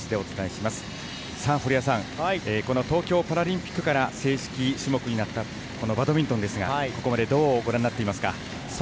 この東京パラリンピックから正式種目になったこのバドミントンですがここまでどうご覧になっていますか？